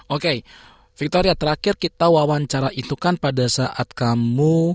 oke victor ya terakhir kita wawancara itu kan pada saat kamu